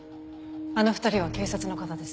あの２人は警察の方です。